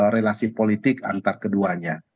relasi politik antar keduanya